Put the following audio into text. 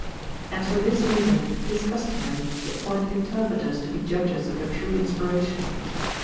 And for this reason it is customary to appoint interpreters to be judges of the true inspiration.